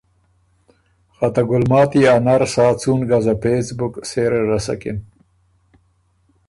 خه ته ګلماتی ا نر سا څُون ګزه پېڅ بُک سېره رسکِن